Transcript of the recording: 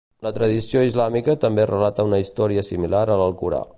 La tradició islàmica també relata una història similar a l'Alcorà.